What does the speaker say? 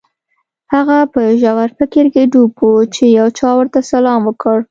هغه په ژور فکر کې ډوب و چې یو چا ورته سلام وکړ